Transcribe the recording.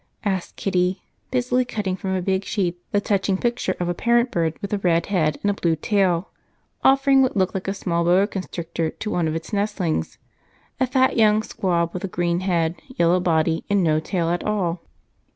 asked Kitty, busily cutting from a big sheet the touching picture of a parent bird with a red head and a blue tail offering what looked like a small boa constrictor to one of its nestlings, a fat young squab with a green head, yellow body, and no tail at all.